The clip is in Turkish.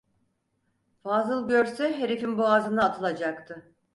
Fazıl görse herifin boğazına atılacaktı.